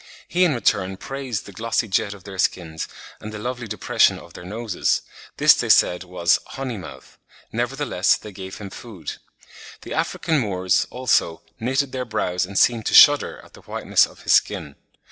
He in return praised the glossy jet of their skins and the lovely depression of their noses; this they said was "honeymouth," nevertheless they gave him food. The African Moors, also, "knitted their brows and seemed to shudder" at the whiteness of his skin.